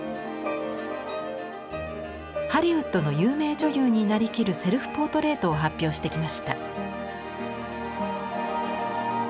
ハリウッドの有名女優になりきるセルフポートレイトを発表してきました。